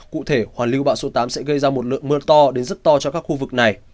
cụ thể hoàn lưu bão số tám sẽ gây ra một lượng mưa to đến rất to cho các khu vực này